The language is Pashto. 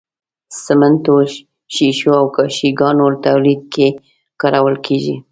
سمنټو، ښيښو او کاشي ګانو تولید کې کارول کیږي.